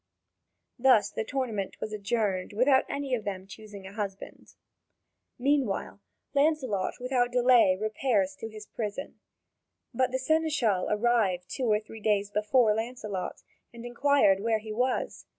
Thus the tourney was adjourned without any of them choosing a husband. Meanwhile Lancelot without delay repairs to his prison. But the seneschal arrived two or three days before Lancelot, and inquired where he was.